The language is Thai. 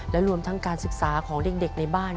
และรวมทั้งการศึกษาของเด็กในบ้าน